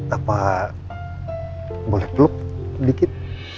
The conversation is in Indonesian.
apa boleh peluk sedikit